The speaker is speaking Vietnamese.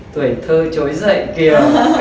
tuổi thơ trối dậy kìa